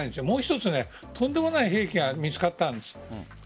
もう一つとんでもない兵器が見つかったんです。